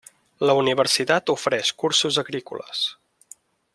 La universitat ofereix cursos agrícoles.